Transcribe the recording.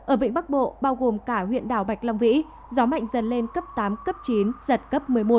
ở vịnh bắc bộ bao gồm cả huyện đảo bạch long vĩ gió mạnh dần lên cấp tám cấp chín giật cấp một mươi một